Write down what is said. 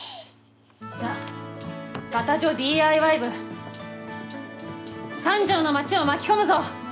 じゃあ潟女ＤＩＹ部三条の町を巻き込むぞ！